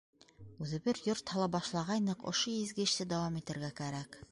Үҙебеҙ йорт һала башлағайныҡ, ошо изге эште дауам итергә кәрәк.